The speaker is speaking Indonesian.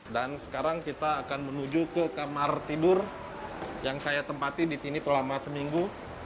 dan sekarang kita akan menuju ke kamar tidur yang saya tempati disini selama seminggu